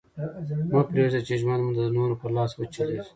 مه پرېږده، چي ژوند مو د نورو په لاس وچلېږي.